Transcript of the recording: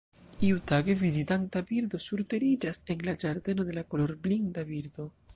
Iutage, vizitanta birdo surteriĝas en la ĝardeno de la kolorblinda birdo.